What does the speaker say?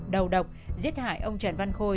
đầu độc giết hại ông trần văn khôi